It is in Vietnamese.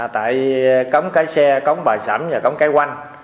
tại cống cái xe cống bà sẩm và cống cái oanh